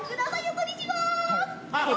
こんにちは最高！